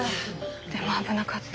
でも危なかった。